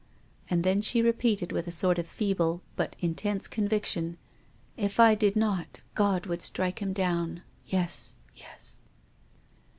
And then she repeated, with a sort of feeble but intense conviction, " If I did not God would strike him down — yes —yes."